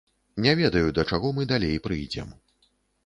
Не ведаю, да чаго мы далей прыйдзем.